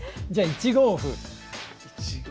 １五歩。